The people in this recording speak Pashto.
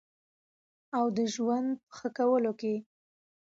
او د ژوند په ښه کولو کې